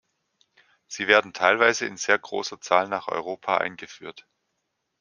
Sie werden teilweise in sehr großer Zahl nach Europa eingeführt.